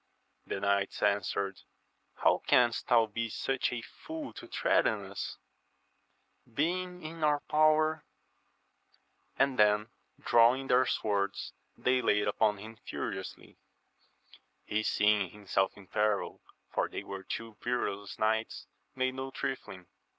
The knights answered, How canst thou be such a fool io threaten us, being in our power ? and then drawing their swords they laid upon him furiously. He seeing himself in peril, for they were two perilous knights, made no trifling.